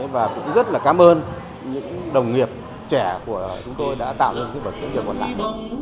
và cũng rất là cảm ơn những đồng nghiệp trẻ của chúng tôi đã tạo ra một cái vở diễn điều còn lại